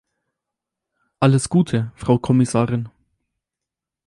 Alles Gute, Frau Kommissarin!